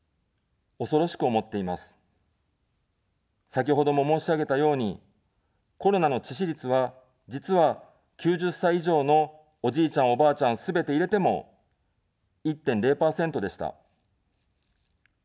先ほども申し上げたように、コロナの致死率は、実は、９０歳以上のおじいちゃん、おばあちゃん、すべて入れても、１．０％でした。